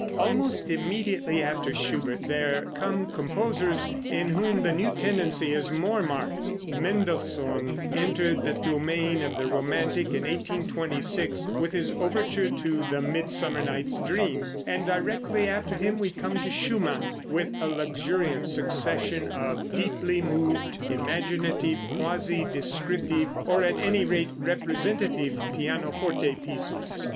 Almost immediately after Schubert there come composers in whom the new tendency is more marked. Mendelssohn entered the domain of the romantic in 1826, with his overture to the "Midsummer Night's Dream," and directly after him came Schumann, with a luxuriant succession of deeply moved, imaginative, quasi descriptive, or at any rate representative, pianoforte pieces.